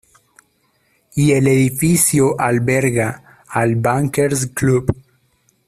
Y el edificio alberga al Bankers Club.